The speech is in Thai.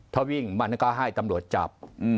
ถ้าวิ่งมันก็ให้ตำรวจจับ